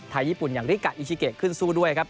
ญี่ปุ่นอย่างริกะอิชิเกะขึ้นสู้ด้วยครับ